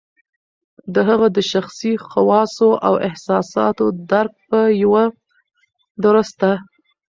د هغه د شخصي خواصو او احساساتو درک په یوه درسته